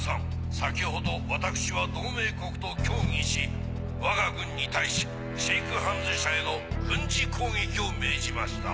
先ほど私は同盟国と協議しわが軍に対しシェイクハンズ社への軍事攻撃を命じました。